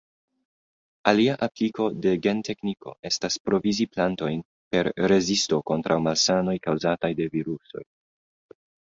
Alia apliko de gentekniko estas provizi plantojn per rezisto kontraŭ malsanoj kaŭzataj de virusoj.